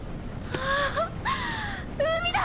わあ海だ！